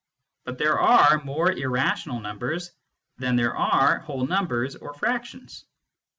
But there are more irrational numbers than there are whole numbers or fractions.